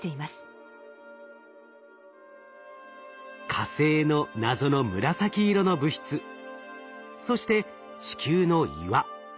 火星の謎の紫色の物質そして地球の岩。